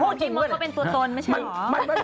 พี่มองเขาเป็นตัวสนไม่ใช่เหรอ